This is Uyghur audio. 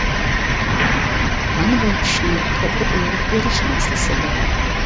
مانا بۇ چۈشنى توغرا ئۆرۈپ بېرىش مەسىلىسىدۇر.